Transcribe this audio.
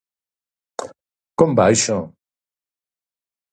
Com va això?